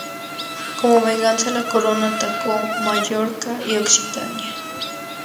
Como venganza, la Corona atacó Mallorca y Occitania.